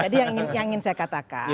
jadi yang ingin saya katakan